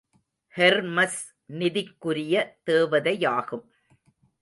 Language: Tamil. ஹெர்மஸ் நிதிக்குரிய தேவதையாகும்.